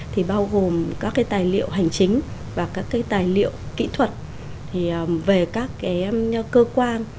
thì bao gồm các cái tài liệu hành chính và các cái tài liệu kỹ thuật về các cái cơ quan